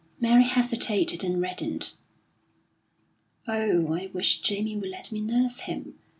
Mary hesitated and reddened: "Oh, I wish Jamie would let me nurse him!